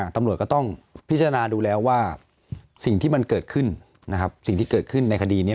ตำรวจก็ต้องพิจารณาดูแล้วว่าสิ่งที่มันเกิดขึ้นนะครับสิ่งที่เกิดขึ้นในคดีนี้